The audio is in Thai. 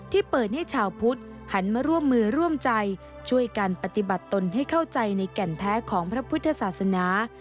ที่เปิดให้ชาวพุทธหันมาร่วมมือร่วมใจช่วยกันปฏิบัติตนให้เข้าใจในแก่นแท้ของพระพุทธศาสนา